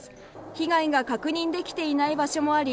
被害が確認できていない場所もあり